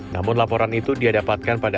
namun laporan itu diadapatkan pada